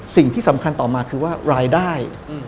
สิ่งที่สำคัญต่อมาคือว่ารายได้